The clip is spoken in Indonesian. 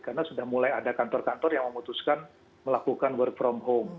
karena sudah mulai ada kantor kantor yang memutuskan melakukan work from home